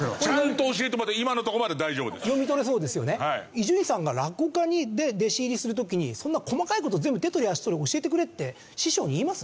伊集院さんが落語家に弟子入りする時にそんな細かい事全部手取り足取り教えてくれって師匠に言います？